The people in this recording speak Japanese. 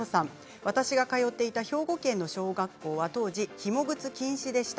私が通っていた兵庫県の小学校は当時、ひも靴禁止でした。